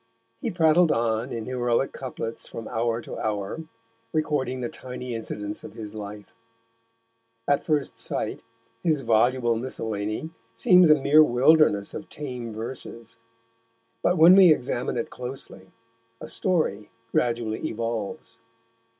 He prattled on in heroic couplets from hour to hour, recording the tiny incidents of his life. At first sight, his voluble miscellany seems a mere wilderness of tame verses, but when we examine it closely a story gradually evolves.